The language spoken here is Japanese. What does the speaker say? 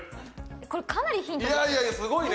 これかなりヒントですよ。